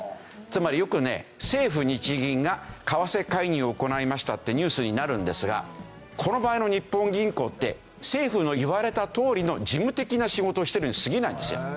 つまりよくね政府日銀が為替介入を行いましたってニュースになるんですがこの場合の日本銀行って政府に言われたとおりの事務的な仕事をしてるにすぎないんですよ。